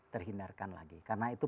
terhindarkan lagi karena itu